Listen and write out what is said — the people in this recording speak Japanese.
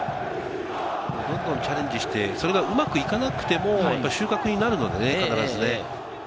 どんどんチャレンジして、それがうまくいかなくても収穫になるのでね、必ず。